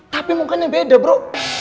tapi mukanya beda bro